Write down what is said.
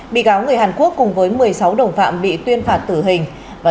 bị cáo người hàn quốc cùng với một mươi sáu đồng phạm bị tuyên phạt tử hình